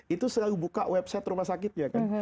itu selalu buka website rumah sakitnya kan